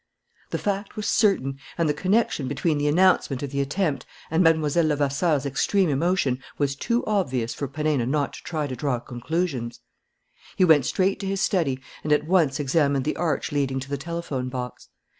The fact was certain; and the connection between the announcement of the attempt and Mlle. Levasseur's extreme emotion was too obvious for Perenna not to try to draw conclusions. He went straight to his study and at once examined the arch leading to the telephone box.